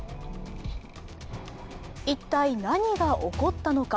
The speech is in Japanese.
一体何が起こったのか。